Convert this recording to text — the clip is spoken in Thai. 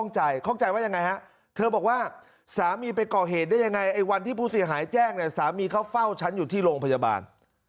แจ้งสามีเขาเฝ้าฉันอยู่ที่โรงพยาบาล